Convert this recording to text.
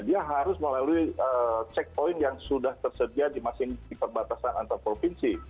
dia harus melalui checkpoint yang sudah tersedia di perbatasan antar provinsi